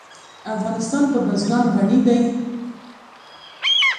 افغانستان په بزګان غني دی.